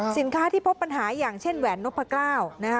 สินค้าที่พบปัญหาอย่างเช่นแหวนนพกล้านะคะ